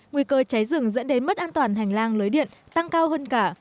nguy cơ cháy rừng dẫn đến mất an toàn hành lang lưới điện tăng cao hơn cả